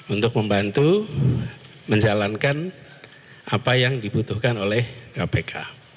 untuk membantu menjalankan apa yang dibutuhkan oleh kpk